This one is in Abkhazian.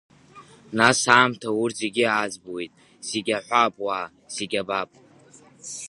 Нас, аамҭа урҭ зегь аӡбуеит, зегь аҳәап уа, зегь абап.